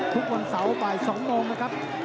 ทุกวันเสาร์บ่าย๒โมงนะครับ